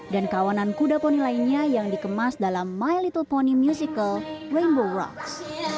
dan kawanan kuda poni lainnya yang dikemas dalam my little pony musical rainbow rocks